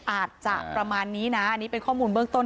อาจจะประมาณนี้นะอันนี้เป็นข้อมูลเบื้องต้น